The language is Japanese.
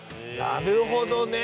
なるほどね！